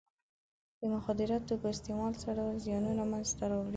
د مخدره توکو استعمال څه ډول زیانونه منځ ته راوړي.